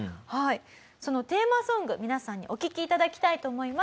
そのテーマソング皆さんにお聴きいただきたいと思います。